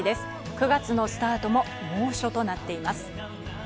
９月のスタートも猛暑となっています。